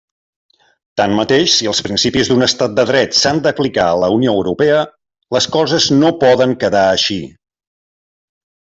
Tanmateix si els principis d'un estat de dret s'han d'aplicar a la UE, les coses no poden quedar així.